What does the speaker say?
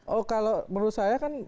oh kalau menurut saya kan